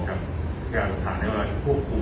การสถานะพวกคุม